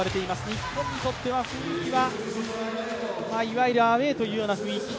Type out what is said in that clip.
日本にとっては雰囲気はいわゆるアウェーという雰囲気。